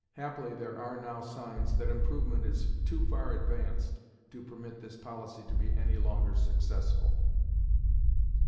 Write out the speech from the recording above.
Happily there are now signs that improvement is too far advanced to permit this policy to be any longer successful.